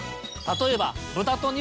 例えば。